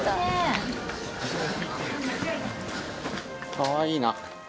かわいいな。